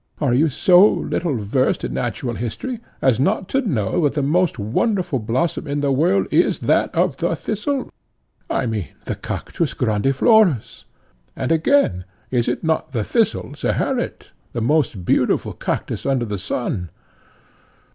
Are you so little versed in natural history as not to know that the most wonderful blossom in the world is that of the thistle, I mean the Cactus grandiflorus. And again, is not the thistle, Zeherit, the most beautiful Cactus under the sun?